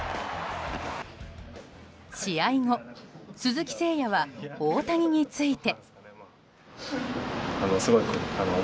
試合後、鈴木誠也は大谷について。